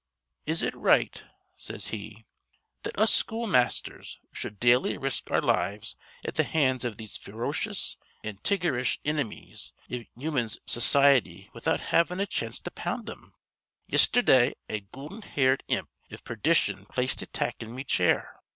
Is it right,' says he, 'that us school masthers shud daily risk our lives at th' hands iv these feerocious an' tigerish inimies iv human s'ciety without havin' a chance to pound thim? Yisterdah a goolden haired imp iv perdition placed a tack in me chair.